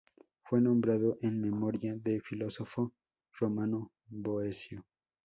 Fue nombrado en memoria del filósofo romano Boecio.